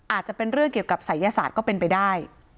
อาจจะเป็นเรื่องเกี่ยวกับศัยศาสตร์ก็เป็นไปได้